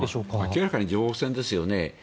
明らかに情報戦ですよね。